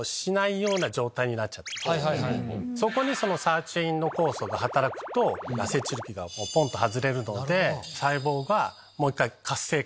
そこにサーチュインの酵素が働くとアセチル基が外れるので。